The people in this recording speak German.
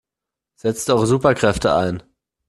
Setzt eure Superkräfte ein!